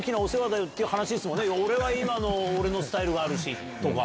「俺は今の俺のスタイルがあるし」とか。